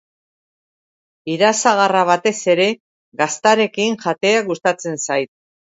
Irasagarra batez ere gaztarekin jatea gustatzen zait.